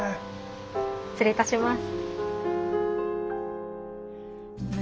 失礼いたします。